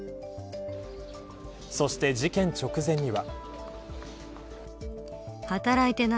そして事件直前には。